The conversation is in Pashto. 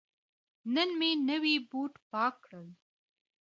نن مې نوی بوټ پاک کړ.